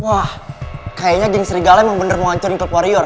wah kayaknya geng sri gala emang bener mau hancurin klub warior